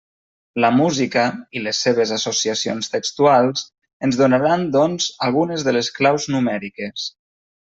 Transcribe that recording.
La música —i les seves associacions textuals— ens donaran, doncs, algunes de les claus numèriques.